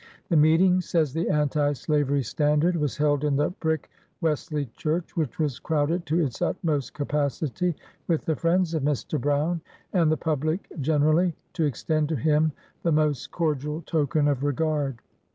" The meeting," says the Anti Slavery Standard, u was held in the Brick Wes ley Church, which was crowded to its utmost capacity with the friends of Mr. Brown, and the public general ly, to extend to him the most cordial token of regard.